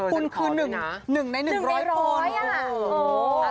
คุณคือ๑ใน๑๐๐คน